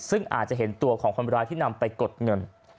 ซึ่งอาจจะเห็นตัวของคนร้ายที่นำไปกดเงิน